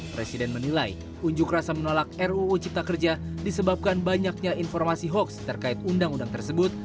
presiden menilai unjuk rasa menolak ruu cipta kerja disebabkan banyaknya informasi hoax terkait undang undang tersebut